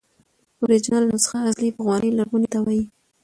اوریجنل نسخه اصلي، پخوانۍ، لرغوني ته وایي.